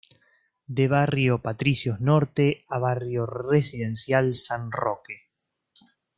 De barrio Patricios Norte a barrio Residencial San Roque.